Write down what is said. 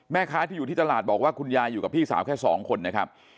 แม่ค้าที่อยู่ที่ตลาดบอกว่าคุณยายอยู่กับพี่สาวแค่สองคนนะครับ